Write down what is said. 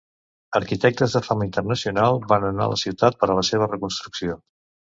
Arquitectes de fama internacional van anar a la ciutat per a la seva reconstrucció.